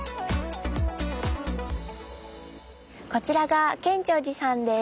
こちらが建長寺さんです。